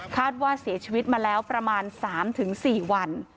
ว่าเสียชีวิตมาแล้วประมาณ๓๔วัน